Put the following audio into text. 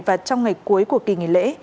và trong ngày cuối của kỳ nghỉ lễ